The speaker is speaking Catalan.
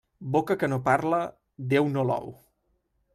Boca que no parla, Déu no l'ou.